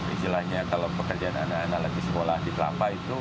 istilahnya kalau pekerjaan anak anak lagi sekolah di kelapa itu